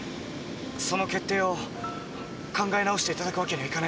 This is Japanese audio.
その決定を考え直していただくわけにはいかないでしょうか。